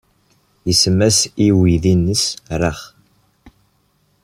Isemma-as i weydi-nnes Rex.